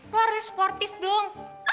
lo harusnya sportif dong